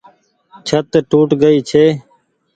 ڇت ٽوٽ گئي ڇي۔